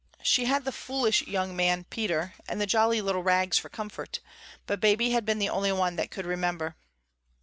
She had the foolish young man Peter, and the jolly little Rags for comfort, but Baby had been the only one that could remember.